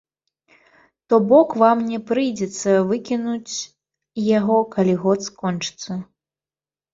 То бок, вам не прыйдзецца выкінуць яго, калі год скончыцца.